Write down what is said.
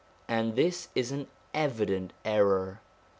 And this is an evident error.